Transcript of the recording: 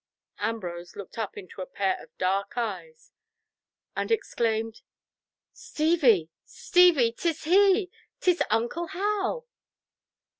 Ambrose looked up into a pair of dark eyes, and exclaimed "Stevie, Stevie, 'tis he. 'Tis uncle Hal."